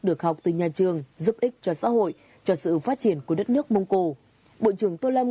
được học từ nhà trường giúp ích cho xã hội cho sự phát triển của đất nước mông cổ bộ trưởng tô lâm